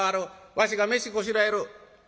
わしが飯こしらえる」。